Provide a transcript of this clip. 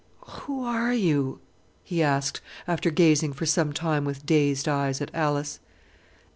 "Who are you?" he asked, after gazing for some time with dazed eyes at Alice.